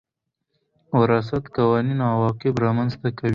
وراثت قوانين عواقب رامنځ ته کوي.